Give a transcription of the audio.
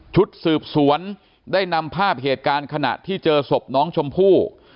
ชุดสืบสวนได้นำภาพเหตุการณ์ขณะที่เจอศพน้องชมพู่